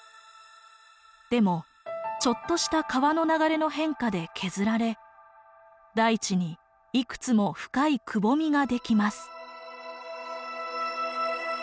でもちょっとした川の流れの変化で削られ大地にいくつも深いくぼみができます。